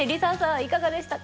いかがでしたか？